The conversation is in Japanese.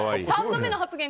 ３度目の発言